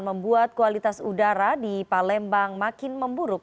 membuat kualitas udara di palembang makin memburuk